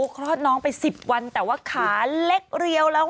คลอดน้องไป๑๐วันแต่ว่าขาเล็กเรียวแล้ว